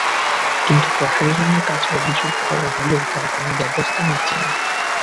কিন্তু প্রশাসনের কাছে অভিযোগ করা হলেও তারা কোনো ব্যবস্থা নিচ্ছে না।